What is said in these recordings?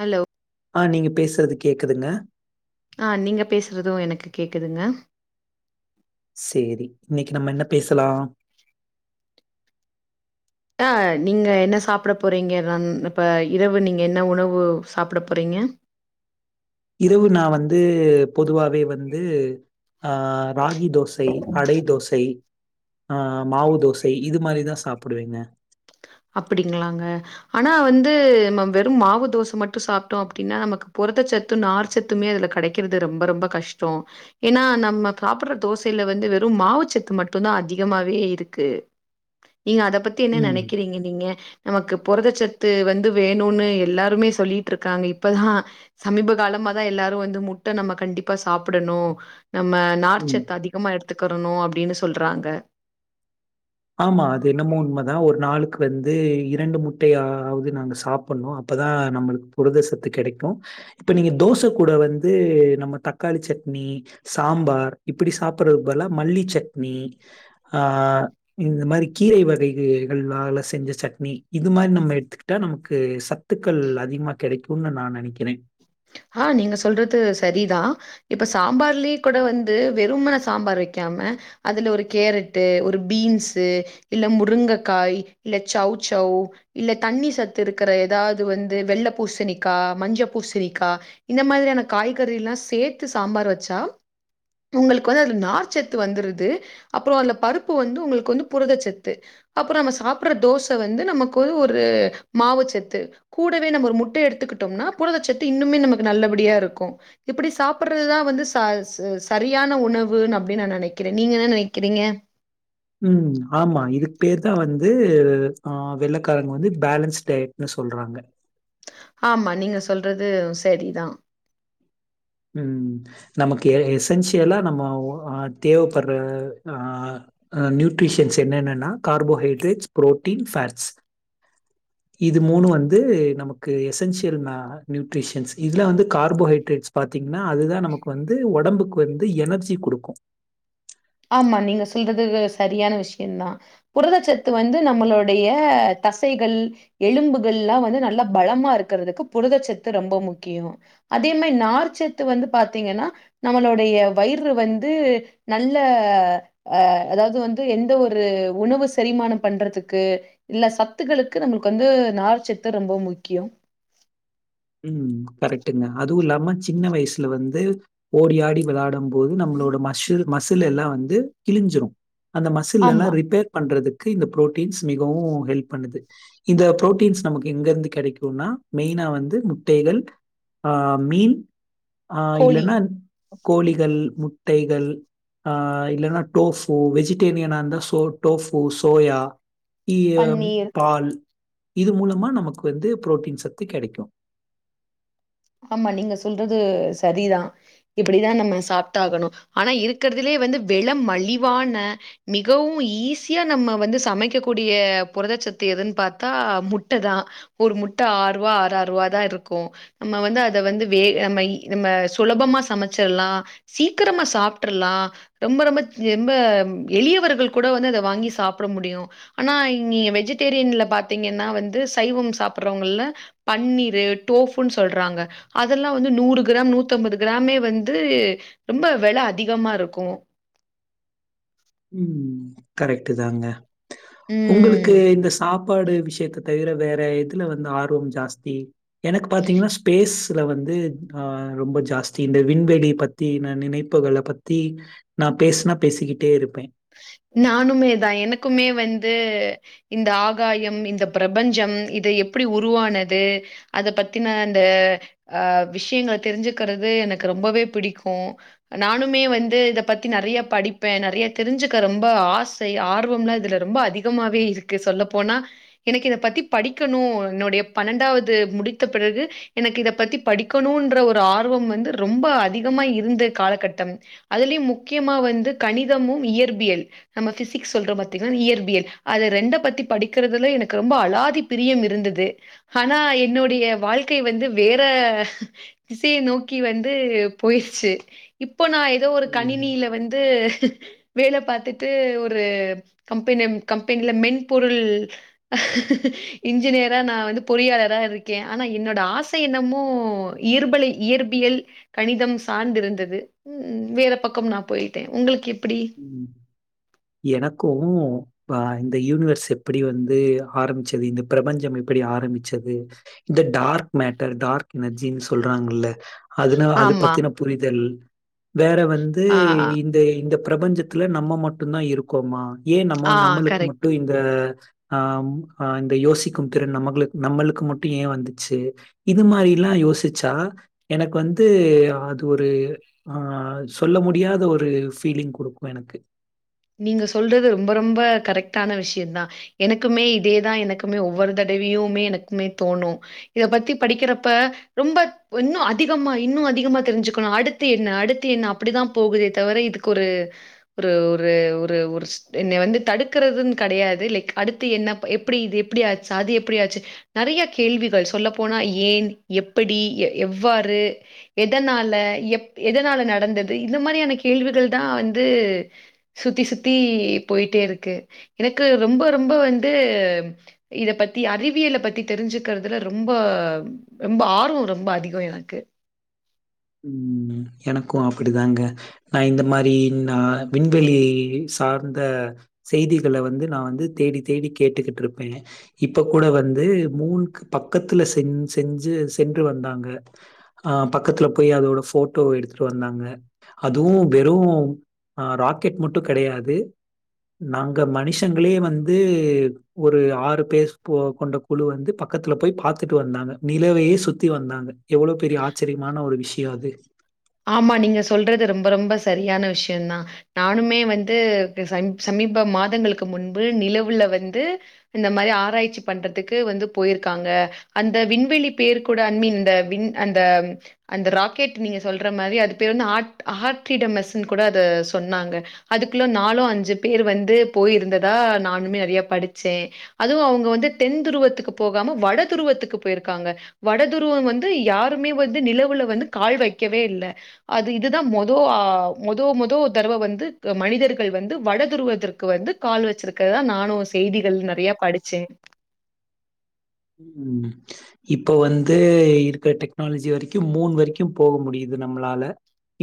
Hello ஆஹ் நீங்க பேசுறது கேக்குதுங்க ஆ நீங்க பேசுறது எனக்கு கேக்குதுங்க செரி இன்னைக்கு நம்ம என்ன பேசலாம் ஹ நீங்க என்ன சாப்பிட போறீங்க நான் இப்ப இரவு நீங்க என்ன உணவு சாப்பிட போறீங்க இரவு நான் வந்து பொதுவாவே வந்து ஆஹ் ராகி தோசை அடை தோசை ஆஹ் மாவு தோசை இது மாரிதான் சாப்பிடுவேங்க அப்படிங்களாங்க ஆனா வந்து நம்ம வெறும் மாவு தோசை மட்டும் சாப்பிட்டோம் அப்டின்னா நமக்கு பொரதச்சத்து நார் சத்துமே அதுல கடைக்கிறது ரொம்ப ரொம்ப கஷ்டம் ஏன்னா நம்ம சாப்பிடுற தோசையில வந்து வெறும் மாவு சத்து மட்டும் தான் அதிகமாவே இருக்கு நீங்க அத பத்தி என்ன ம், நெனைக் க்கிறீங்க நீங்க நமக்கு புரதச்சத்து வந்து வேணுனு எல்லாருமே சொல்லிட்ருக்காங்க இப்பதான் சமீப காலமா தான் எல்லாரும் வந்து முட்ட நம்ம கண்டிப்பா சாப்பிடணும் நம்ம நார் ம். சத்து அதிகமா எடுத் த்துக்கறணும் அப்படினு சொல்றாங்க ஆமா அது என்னமோ உண்மைதான் ஒரு நாளு க்கு வந்து இரண்டு முட்டையாவது நாங்க சாப்பிட்னும் அப்பதான் நம்ளுக்கு புரதசத்து கிடைக்கும் இப்ப நீங்க தோசை கூட வந்து நம்ம தக்காளி சட்னி சாம்பார் இப்படி சாப் புறது பதுலா மல்லிச்சட்னி ஆஹ் இந்த மாரி கீரை வகைகளால செஞ்ச சட்னி இது மாரி நம்ம எடுத்துக்கிட்டா நமக்கு சத்துக்கள் அதிகமா கெடைக்கும்னு நான் நெனைக்கிறேன் ஆஹ் நீங்க சொல்றது சரிதான் இப்ப சாம்பார்லயே கூட வந்து வெறுமன சாம்பார் வெக்காம அதுல ஒரு கேரட்டு் ஒரு பீன்ஸு இல்ல முருங்கக்காய் இல்ல சௌ சௌ இல்ல தண்ணி சத்து இருக்கற ஏதாவது வந்து வெள்ளை பூசணிக்க மஞ்ச பூசணி கா இந்த மாதிரியான காய்கறிலாம் சேர்த்து சாம்பார் வச்சா உங்களுக்கு வந்து அந்த நார் செத்து வந்துறுது அப்பறம் அதுல பருப்பு வந்து உங்களுக்கு வந்து புரதச்சத்து அப்புறம் நம்ம சாப்பிடுற தோசை வந்து நமக்கு வந்து ஒரு மாவுச்சத்து கூடவே நம்ம ஒரு முட்டை எடுத்துக்கிட்டோம்னா புரதச்சத்து து இன்னுமே நமக்கு நல்லபடியா இருக்கும் இப்படி சாப்பிடுறதுதான் வந்து ச ச சரியான உணவுன்னு அப்படின்னு நான் நினைக்கிறேன் நீங்க என்ன நினைக்கிறீங்க உம் ஆமா இதுக்கு பேர்தான் வந்து வந்து ஆஹ வெள்ளைக்காரங்க வந்து பேலன்ஸ் டயட்னு சொல்றாங்க ஆமா நீங்க சொல்றது செரிதான் உம் நமக்கு எசென்சியலா நமக்கு தேவைப்படுற ஆஹ் நியூட்ரிஷன்ஸ் என்னன்னா கார்போஹைட்ரேட்ஸ் புரோட்டீன்ஸ் ஃபாட்ஸ் இது மூணு வந்து நமக்கு எசென்சியல் நியூட்ரிஷன்ஸ் இதுல வந்து கார்போஹைட்ரேட்ஸ் பாத்தீங்கன்னா அதுதான் நமக்கு வந்து ஒடம்புக்கு வந்து எனர்ஜி குடுக்கு ஆமா நீங்க செய்தது சரியான விஷயம்தான் புரதச்சத்து வந்து நம்மொளுடைய தசைகள் எலும்புகள்லாம் வந்து நல்லா பலமா இருக்கிறதுக்கு புரதச்சத்து ரொம்ப முக்கியம் அதே மாரி நார் சத்து வந்து பாத்தீங்கன்னா நம்மளுடைய வயிறு வந்து நல்ல ல்ல அஹ் அதாவது வந்து எந்த ஒரு உணவு செரிமானம் பண்றதுக்கு இல்ல சத்துக்களுக்கு நம்மளுக்கு வந்து நார்ச்சத்து ரொம்ப முக்கியம் உம் கரெக்டுங்க அதுவும் இல்லாம சின்ன வயசுல வந்து ஓடியாடி விளையாடும் போது நம்மளோட மஷில் மசில் எல்லாம் வந்து கிழிஞ்சிரும் அந்த மசில் ஆமா. எல்லாம் ரிப்பேர் பண்றதுக்கு க்கு இந்த புரோடின்ஸ் மிகவும் ஹெல்ப் பண்ணுது இத புரோடின்ஸ் நமக்கு எங்கருந்து கிடைக்கும் னா மெயினா வந்து தேலந் ஆஹ் மீன் ஆஹ் கோழி, இல்லன்னா கோழிகள் முட்டைகள் ஆஹ் இல்லைன்னா டோபு வெஜிடேரியனா இருந்தா சோ டோபு சோயா இய பன்னீர் பால் இது மூலமா நமக்கு வந்து புரோட்டீன் சத்து கெடைக்கு ஆமா நீங்க சொல்றது சரிதா இப்டிதா நம்ம சாப்ட்டாகணு ஆனா இருக்கறதுலயே வந்து வெல மலிவான மிகவும் ஈஸியா நம்ம வந்து சமைக்கக்கூடிய புரதச்சத்து எதுன்னு பாத்தா முட்டைதா ஒரு முட்ட ஆறு ரூவா ஆறாறு ரூவா தா இருக்கு நம்ம வந்து அத வந்து வேக நம்ம நம்ம சுலபமா சமைச்சிர்லா சீக்கிரமா சாப்டர்லா ரொம்ப ரொம்ப ரொம்ப எளியவர்கள் கூட வந்து இத வாங்கி சாப்பிட முடியும் ஆனா இங்கே வெஜிடேரியன்ல பாத்தீங்கன்னா வந்து சைவோ சாப்புடறவங்கள்ல பன்னீரு டோப் ப்புனு சொல்றாங்க அதெல்லா வந்து நூறு கிராம் நூத்தம்பது கிராமே வந்து ரொம்ப வெல அதிகமாருக்கு ம் கரெக்ட்டு தாங்க ம். உங்களுக்கு இந்த சாப் ப்பாடு விஷயத்த தவிர வேற எதுல வந்து ஆர்வம் ஜாஸ்தி எனக்கு பாத்தீங்கன்னா ஸ்பேஸ்ல வந்து ஹ ரொம்ப ஜாஸ்தி இந்த விண்வெளி பத்தி நினைப்புகள பத்தி நா பேசினா பேசிக்கிட்டே இருப் நானுமே தா எனக்குமே வந்து இந்த ஆகாயம் இந்த பிரபஞ்சம் இது எப்பிடி உருவானது அதபத்தின அந்த ஆஹ் விஷயங்கள தெரிஞ்சுக்கிறது எனக்கு ரொம்பவே பிடிக்கு நானுமே வந்து இதப்பத்தி நறைய படிப்பே நறையத் தெரிஞ்சுக்க ரொம்ப ஆசை ஆர்வம்லா இதுல ரொம்ப அதிகமாவே இருக்கு சொல்லப்போனா எனக்கு இத பத்தி படிக்கணு என்னுடைய பன்னெண்டாவது முடித்த பிறகு எனக்கு இதப்பத்தி படிக்கணுன்ற ஒரு ஆர்வோ வந்து ரொம்ப அதிகமா இருந்த காலகட்டம் அதுலயும் முக்கியமா வந்து கணிதமும் இயற்பியல் நம்ம பிசிக்ஸ் சொல்றோபாத்திங்கன இயற்பியல் அத ரெண்டப்பத்தி படிக்கிறதுல எனக்கு ரொம்ப அலாதி பிரியம் இருந்தது ஆனா என்னுடைய வாழ்க்கை வந்து வேற திசையை நோக்கி வந்து போயிடுச்சு இப் இப்போ நா ஏதோ ஒரு ம், கணினியில வந் ந்து வேல பாத்துட்டு ஒரு கம்பெனெம் கம்பெனில மென்பொருள் இன்ஜினியரா நா வந்து பொறியாளரா இருக்கே ஆனா என்னோட ஆசை என்னமோ இயற்பலை இயற்பியல் கணிதம் சார்ந்தருந்தது உம் வேற பக்கம் நா போயிட்டே உங்களுக்கு எப்பிடி எனக்கு அஹ் இந்த யூனிவர்ஸ் எப்பிடி வந்து ஆரம்பிச்சது இந்த பிரபஞ்சம் எப்பிடி ஆரம்பிச்சது இந்த டார்க் மேட்டர் டார்க் எனர்ஜின்னு சொல்றாங்கல்ல அதுன அது ஆமா. பத்தின புரிதல் வேற வந்து ஆ, இந்த இந்தப் பிரபஞ்சத்துல நம்ம மட்டுதா இருக்கோமா ஏன் நம்ம ஆ நம்மளுக்கு கரெக்ட். மட்டும் இந்த ஆம் ஆஹ் இந்த யோசிக்கும் திறன் நம்களுக்கு நம்மளுக்கு மட்டு ஏன் வந்துச்சு இது மாரில்லா யோசிச்சா எனக்கு வந்து அது ஒரு ஆஹ் சொல்ல முடியாத ஒரு ஃபீலிங் குடுக்கு எனக்கு நீங்க சொல்றது ரொம்ப ரொம்ப கரெக்டான விஷயம் தா எனக்குமே இதேதா எனக்குமே ஒவ்வொரு தடவியுமே எனக்குமே தோணும் இத பத்தி படிக்கிறப்ப ரொம்ப இன்னும் அதிகமா இன்னும் அதிகமா தெரிஞ்சுக்கணு அடுத்து என்ன அடுத்து என்ன அப்டிதா போகுதே தவிர இதுக்கு ஒரு ஒரு ஒரு ஒரு என்னை வந்து தடுக்கறிறதுன்னு காடையாது லைக் அடுத்து என்ன எப்டி இது எப்டிாச்சு அது எப்டிாச்சு நறைய கேள்விகள் சொல்லப்போனா ஏன் எப்படி எவ்வாறு எதனால எப் எதனால நடந்தது இது மாதிரியான கேள்விகள் தா வந்து சுத்தி சுத்தி போயிட்டே இருக்கு எனக்கு ரொம்ப ரொம்ப வந்து இத பத்தி அறிவியலை பத்தி தெரிஞ்சுக்கிறதுல ரொம்ப ரொம்ப ஆர்வோ ரொம்ப அதிகம் எனக்கு ம் எனக்கு அப்படிதாங்க நா இந்த மாரி நா விண்வெளி சார்ந்த செய்திகளை வந்து நா வந்து தேடி தேடி கேட்டுக்கிட்டு இருப்பே இப்ப கூட வந்து மூனுக்கு பக்கத்துல செஞ் செஞ்சு சென்று வந்தாங்க ஆஹ் பக்கத்துலப் போய் அதோட போட்டோ எடுத்துட்டு வந்தாங்க அதுவு வெறு அ ராக்கெட் மட்டு கெடையாது நாங்க மனுஷங்களே வந்து ஒரு ஆறு பேர் போ கொண்ட குழு வந்து பக்கத்துல போய் பாத்துட்டு வந்தாங்க நிலவையே சுத்தி வந்தாங்க எவ்ளோ பெரிய ஆச்சரியமான ஒரு விஷயோ யாது ஆமா நீங்க சொல்றது ரொம் ரொம்ப ரொம்ப சரியான விஷயோ தா நானுமே வந்து சம் சமீப மாதங்களுக்கு முன்பு நிலவுல வந்து இந்த மாதிரி ஆராய்ச்சி பண்றதுக்கு வந்து போயிருக்காங்க அந்த விண்வெளி பேர் கூட அண்மீன் அந்த விண் அந்த அந்த ராக்கெட் நீங்க சொல்ற மாரி அது பேர் வந்து ஆட் ஆட்டீடமெஸ்னு கூட அத சொன்னாங்க அதுக்குள்ள நாலோ அஞ்சு பேர் வந்து போயிருந்ததா நானுமே நெறைய படிச்சே அதுவும் அவுங்க வந்து தென் துருவத்துக்கு போகாம வட துருவத்துக்கு போயிருக்காங்க வட துருவம் வந்து யாருமே வந்து நிலவுல வந்து கால்வெக் கவே இல்ல அது இதுதா மொதோ ஆஹ் மொதோ மொதோ தடவ வந்து மனிதர்கள் வந்து வடதுருவதற்கு வந்து கால் வெச்சிருக்கிறதுதா நானு செய்திகள் நெறைய படிச்சே ம் இப்ப வந்து இருக்கற டெக்னாலஜி வரைக்கு மூன் வரைக்கு போக முடியுது நம்ளால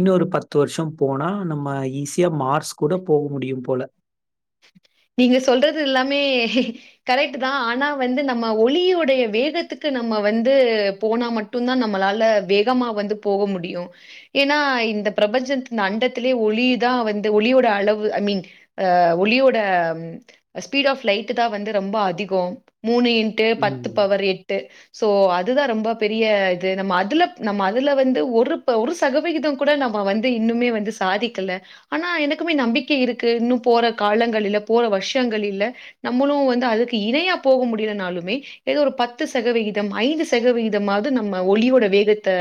இன்னு ஒரு பத்து வருஷோ போனா நம்ம ஈஸியா மார்ஸ் கூட போக முடியும் போல நீங்க சொல்றது எல்லாமே கரெக்ட் தா ஆனா வந்து நம்ம ஒளியோடைய வேகத்துக்கு நம்ம வந்து போனா மட்டும்தா நம்மளால வேகமா வந்து போக முடியு ஏனா இந்த பிரபஞ்சத் இந்த அண்டத்திலயே ஒளிதா வந்து ஒளியோட அளவு ஐ மீன் அஹ் ஒளியோட ஸ்பீட் ஆப் லைட் தா வந்து ரொம்ப அதிகோ மூனயு ட்டு பத்து ம். பவர் எட் ட்டு சோ அதுதா ரொம்ப பெரிய இது நம்ம அதுலப் நம்ம அதுல வந்து ஒருப் ஒரு சகவிகிதம் கூட நம்ம வந்து இன்னுமே வந்து சாதிக்கல ஆனா எனக்குமே நம்பிக்கை இருக்கு இன்னும் போற காலங்கள் இல்ல போற வருஷங்கள் இல்ல நம்மளும் வந்து அதுக்கு இணையா போக முடியலனாலுமே ஏதோ ஒரு பத்து சகவிகிதம் ஐந்து சகவிகிதமாவது நம்ம ஒளியோட வேகத்தை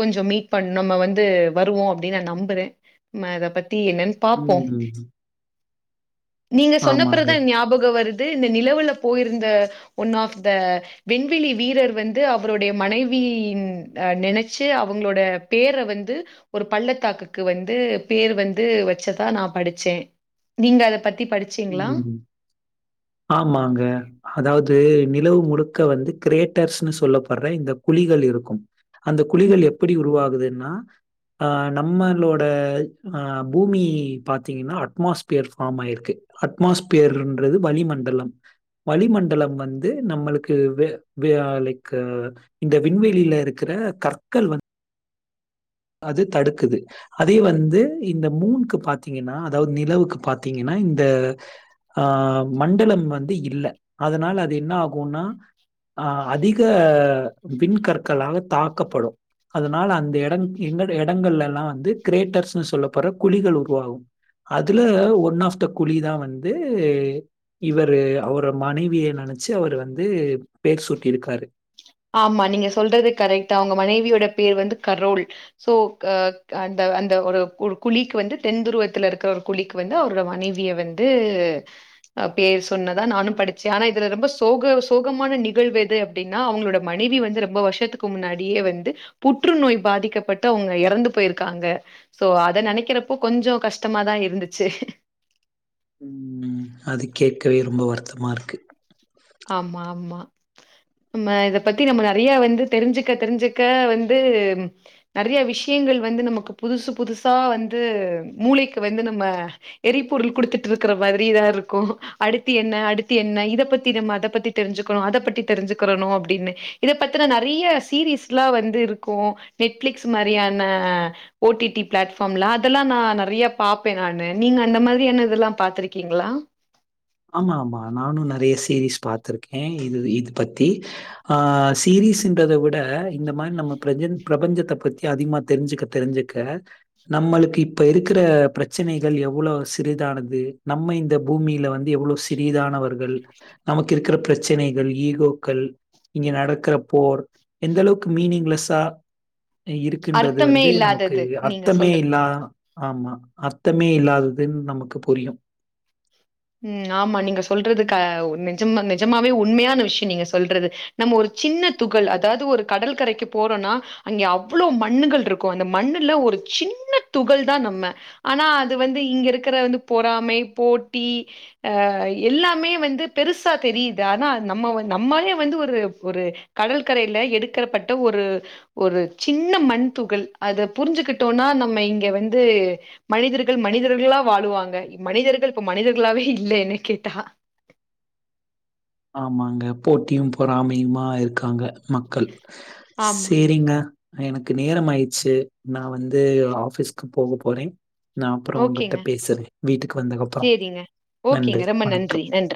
கொஞ்சோ மீட் பண்ணும் நம்ம வந்து வருவோ அப்படின்னு நா நம்புறே நம்ம அத பத் த்தி என்னன்னு பாப்போ ம். நீங்க ஆமாங்க. சொன்னப்பறதா ஞாபகம் வருத் து இந்த நிலவுல போயிருந்த ஒன் ஆப் த வெண்வெளி வீரர் வந்து அவருடைய மனைவியின் அஹ் நினைச்சு அவுங்களோட பேர வந்து ஒரு பள்ளத்தாக்குக்கு வந்து பேர் வந்து வச்சதா நா படிச்சே நீங்க அத பத் உம் ஆமாங்க அதாவ்து நிலவு முழுக்க வந்து கிரேட்டர்ஸ்ன்னு சொல்லப்படற இந்த குழிகள் இருக்கும் அந்த ம். குழிகள் எப்புடி உருவாகுது நா ஆஹ் நம்மளோட ஆஹ் பூமி பாத்தீங்னா அட்மாஸ்ஃபியர் ஃபாமாயிருக்கு அட்மாஸ்பியர்ன்றது வளிமண்டலம் வளிமண்டலம் வந்து நம்மளுக்கு வே வே லைக் இந்த விண்வெளில இருக்கிற கற்கள் வந் அது தடுக்குது அதே வந்து இந்த மூன்க்கு பாத்தீங்கனா அதாவது நிலவுக்கு பாத்தீங்கனா இந்த ஆஹ் மண்டலம் வந்து இல்ல அதனால அது என்ன ஆகுனா ஆஹ் அதிக விண்கற்களால தாக்கப்படு அதனால அந்த எட எங்கட இடங்கள்ல்லா வந்து கிரேட்டர்ஸ்ன்னு சொல்ல படுற குழிகள் உருவாகு அதுல ஒன் ஆப் த குழி தா வந்து இவரு அவோர மனைவிய நெனச்சு அவர் வந்து பேர் சூட்டிர்க்காரு ஆமா நீங்க சொல்றது கரெக்டு அவுங்க மனைவியோட பேர் வந்து கரோல் சோ அஹ் அந்த அந்த ஒரு குழிக்கு வந்து தென்துருவத்துல இருக்குற ஒரு குழிக்கு வந்து அவரோட மனைவிய வந்து பேர் சொன்னதா நானு படிச்ச ஆனா இதுல ரொம்ப சோக சோகமான நிகழ்வு எது அப்டினா அவுங்களோடப் மனைவி வந்து ரொம்ப வருஷத்துக்கு முன்னாடியே வந்து புற்றுநோய் பாதிக்கப்பட்டு அவுங்க எறந்து போயிருக்காங்க சோ அத நெனைக்கிறப்போ கொஞ்சோ கஷ்டமாதா இருந்துச்சு ம் அது கேட்கவே ரொம்போ வருத்தமாருக்கு ஆமா ஆமா நம்ம இத பத்தி நம்ம நெறயா வந்து தெரிஞ்சுக்க தெரிஞ்சுக்க வந்து நெறயா விஷயங்கள் வந்து நமக்கு புதுசு புதுசா வந்து மூளைக்கு வந்து நம்ம எரிபொருள் குடுத்துட்டுருக்குற மாறிதா இருக்கூ அடுத்து என்ன அடுத்து என்ன இத பத் தி நம்ம அத பத்தி தெரிஞ்சுக்கனு அத பத்தி தெரிஞ்சுக்கறனு அப்டினு இத பத்தினா நெறய சீரிஸ்ல்லா வந்து இருக்கூ நெட் பிளிக்ஸ் மாறியான ஓடிடி பிளாட்ஃபாம்ல அதெல்லா நா நெறயா பாப்ப நானு நீங்க அந்த மாறியான இதல்லா பாத்திருக்கீங்களா ஆமா ஆமா நானு நெறய சீரிஸ் பாத்திருக்க இது இது பத்தி ஆஹ் சீரிஸ்ன்றத விட இந்த மாறி நம்ம பிர பிரபஞ்சத்த பத்தி அதிகமா தெரிஞ்சுக்க தெரிஞ்சுக்க நம்மளுக்கு இப்ப இருக்குற பிரச்சனைகள் எவ்ளோ சிறிதானது நம்ம இந்த பூமியில வந் எவ்ளோ சிறிதானவர்கள் நமக்கு இருக்கிற பிரச்சனைகள் ஈகோக்கள் இங்க நடக்கிற போர் எந்த அளவுக் மீனிங்லெஸ்சா இருக்குன்றது அர்த்தமே வந்து நமக்கு இல்லாதது நீங்க அர்த்தமே சொல்றது இல்லா ஆமா அர்த்த மே இல்லாததுன் நமக்கு புரியு உம் ஆமா நீங்க சொல்றது க நிஜம்மா நிஜமாவே உண்மயான விஷ்யோ நீங்க சொல்றது நம்ம ஒரு சின்ன துகள் அதாவது ஒரு கடல்கரைக்கு போறோனா அங்க அவ்ளோ மண்ணுகள் இருக்கூ அந்த மண்ணுல ஒரு சின்ன துகள் தா நம்ம ஆனா அது வந்து இங்க இருக்கிற வந்து பொறாமை போட் டி அஹ் எல்லாமே வந்து பெருசா தெரியுது ஆனா நம்ம நம்மலே வந்து ஒரு ஒரு கடல்கரைல எடுக்கப்பட்ட ஒரு ஒரு சின்ன மண் துகள் அத புரிஞ்சிகிட்டோனா நம்ம இங்க வந்து மனிதர்கள் மனிதர்களா வாழ்வாங்க மனிதர்கள் இப்ப மனிதர்களாவே இல்ல என்ன கேட்டா ஆமாங்க போட்டியு பொறாமையுமா இருக்காங்க மக்கள் ஆமா. சேரிங்க எனக்கு நேரம் ஆய்ச்சு நா வந்து ஆபிஸ்க்கு போக போறே நா அப்றோ உங்கிட்ட ஓகேங்க. பேசுறே வீட்டுக்கு வந்தகப்றோ சேரிங்க. ஓகேங்க. நன்றி ரொம்ப நன்றி. வணக்கம் நன்றி.